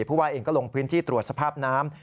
ผู้ว่าเองก็ลงพื้นที่ตรวจสภาพน้ำ